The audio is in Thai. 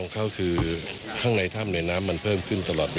สวัสดีครับ